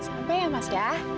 sampai ya mas ya